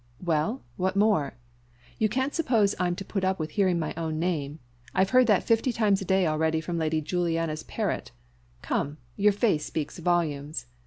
"Well what more? You can't suppose I'm to put up with hearing my own name; I've heard that fifty times to day already from Lady Juliana's parrot come, your face speaks volumes.